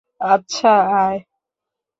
আচ্ছা, আয়।